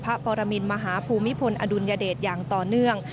ปรมินมหาภูมิพลอดุลยเดชอย่างต่อเนื่อง